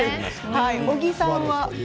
小木さんは？